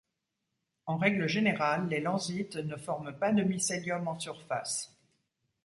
En règle générale, les lenzites ne forment pas de mycélium en surface.